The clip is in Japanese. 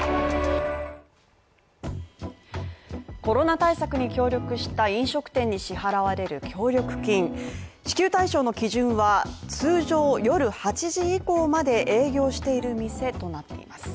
コロナ対策に協力した飲食店に支払われる協力金支給対象の基準は、通常夜８時以降まで営業している店となっています。